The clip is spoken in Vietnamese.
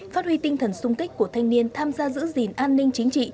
phát huy tinh thần sung kích của thanh niên tham gia giữ gìn an ninh chính trị